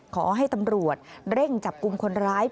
ขอให้ตำรวจเร่งจับกลุ่มคนร้าย